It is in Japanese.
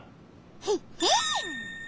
ヘッヘン！